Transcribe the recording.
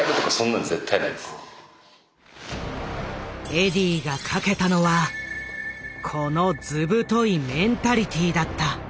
エディーがかけたのはこのずぶといメンタリティーだった。